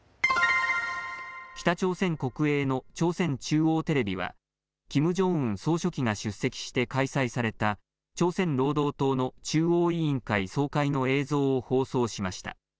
北朝鮮国営の朝鮮中央テレビはキム・ジョンウン総書記が出席して開催された朝鮮労働党の中央委員会総会の映像を放送しました。